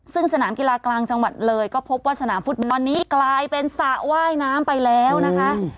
ซึ่งสนามกีฬากลางจังหวัดเลยก็พบว่าสนามฟุตบอลนี้กลายเป็นสระว่ายน้ำไปแล้วนะคะ